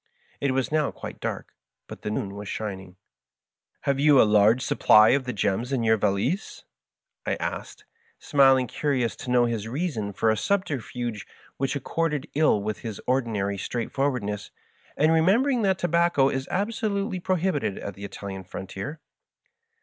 It was now quite dark, but the moon was shining. "Have you a large supply of the ^ gems' in your va lise?" I asked, smiling, curious to know his reason for a subterfuge which accorded ill with his ordinary straight Digitized by VjOOQIC Mr FASCINATING FRIEND. 145 forwardness, and remembering that tobacco is absolutely prohibited at the Italian frontier.